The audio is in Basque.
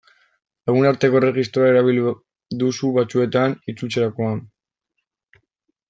Lagunarteko erregistroa erabili duzu batzuetan, itzultzerakoan.